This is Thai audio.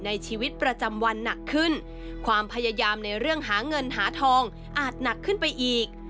ในชีวิตประจำวันหนักขึ้นความพยายามในเรื่องหาเงินหาทองอาจหนักขึ้นไปอีก